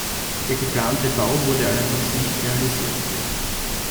Der geplante Bau wurde allerdings nicht realisiert.